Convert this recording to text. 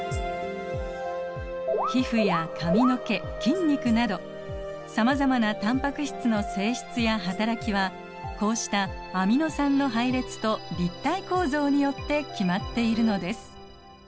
皮膚や髪の毛筋肉などさまざまなタンパク質の性質や働きはこうしたアミノ酸の配列と立体構造によって決まっているのです。